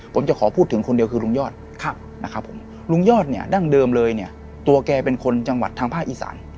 ผมจะขอพูดถึงคนเดียวคือลุงยอดนะครับผมลุงยอดเนี่ยดั้งเดิมเลยเนี่ยตัวแกเป็นคนจังหวัดทางภาคอีสาน